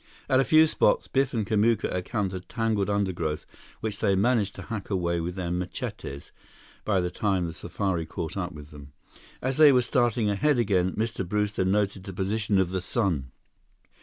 At a few spots, Biff and Kamuka encountered tangled undergrowth which they managed to hack away with their machetes, by the time the safari caught up with them. As they were starting ahead again, Mr. Brewster noted the position of the sun.